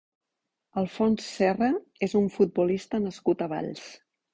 Alfons Serra és un futbolista nascut a Valls.